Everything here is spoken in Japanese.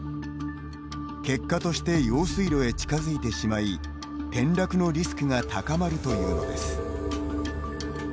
結果として用水路へ近づいてしまい転落のリスクが高まるというのです。